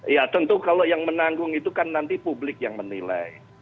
ya tentu kalau yang menanggung itu kan nanti publik yang menilai